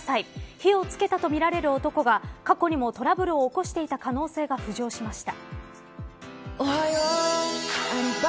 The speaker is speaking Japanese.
火をつけたとみられる男は過去にもトラブルを起こしていた可能性が浮上しました。